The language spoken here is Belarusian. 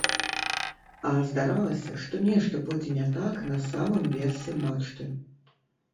А здаралася, што нешта пойдзе не так на самым версе мачты.